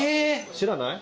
知らない？